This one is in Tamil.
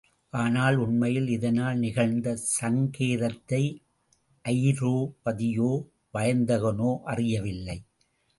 ஆனால் உண்மையில் இதனால் நிகழ்ந்த சங்கேதத்தை அயிராபதியோ, வயந்தகனோ அறியவில்லை.